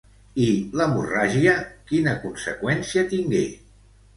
I l'hemorràgia quina conseqüència tingué?